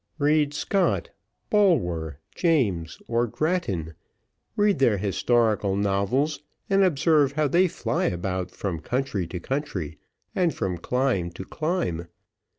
Read Scott, Bulwer, James, or Grattan, read their historical novels, and observe how they fly about from country to country, and from clime to clime.